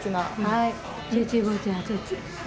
はい。